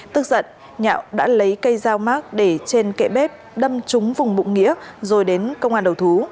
tức giận nhạo đã lấy cây dao mát để trên kệ bếp đâm trúng vùng bụng nghĩa rồi đến công an đầu thú